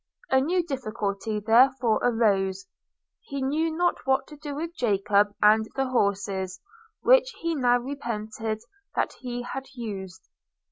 A new difficulty therefore arose: he knew not what to do with Jacob and the horses, which he now repented that he had used.